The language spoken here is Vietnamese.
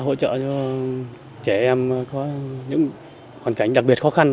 tất cả các em khu vực trẻ có những hoàn cảnh đặc biệt khó khăn